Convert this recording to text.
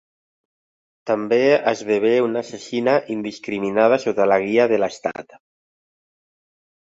També esdevé una assassina indiscriminada sota la guia de Lestat.